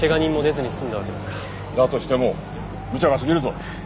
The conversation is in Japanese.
だとしてもむちゃが過ぎるぞ。